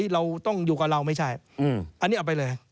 เราต้องอยู่กับเราไม่ใช่อันนี้เอาไปเลย